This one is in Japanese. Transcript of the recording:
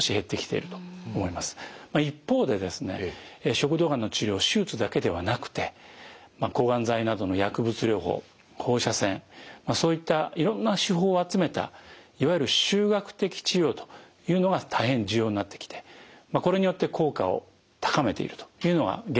食道がんの治療手術だけではなくて抗がん剤などの薬物療法放射線そういったいろんな手法を集めたいわゆる集学的治療というのが大変重要になってきてこれによって効果を高めているというのが現状でございます。